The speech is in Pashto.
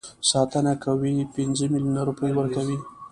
ساتنه کوي پنځه میلیونه روپۍ ورکوي.